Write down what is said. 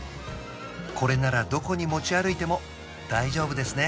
これならどこに持ち歩いても大丈夫ですね